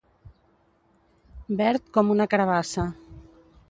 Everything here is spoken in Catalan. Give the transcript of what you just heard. Verd com una carabassa.